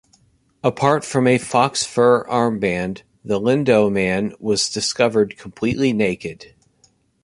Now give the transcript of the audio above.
Apart from a fox-fur armband, Lindow Man was discovered completely naked.